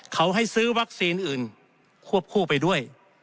เขาให้ซื้อวัคซีนอื่นควบคู่ไปด้วย